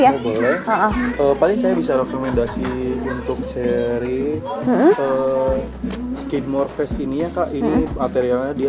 kalau boleh paling saya bisa rekomendasi untuk seri skateboard fest ini ya kak ini materialnya dia